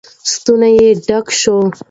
ستونی یې ډډ شو.